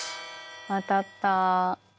当たった！